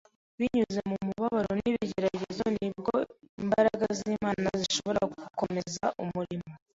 Binyuze mu mubabaro n’ibigeragezo ni bwo imbaraga z’Imana zishobora gukomeza umurimo